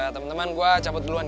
teman teman gue cabut duluan